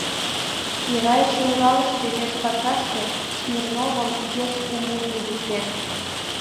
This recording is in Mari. Йӧра эше Уралыште, вес пашаште Смирновым вес у мут лӱдыктен.